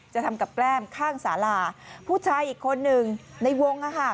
จะทำกับแกล้มข้างสาราผู้ชายอีกคนหนึ่งในวง